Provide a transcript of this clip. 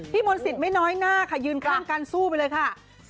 มนศิษย์ไม่น้อยหน้าค่ะยืนข้างการสู้ไปเลยค่ะ